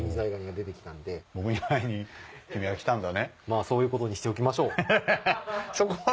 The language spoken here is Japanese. まぁそういうことにしておきましょう。